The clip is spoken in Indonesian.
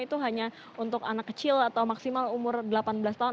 itu hanya untuk anak kecil atau maksimal umur delapan belas tahun